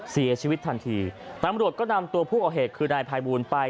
เสียชีวิตทันทีตำรวจก็นำตัวผู้ก่อเหตุคือนายภัยบูลไป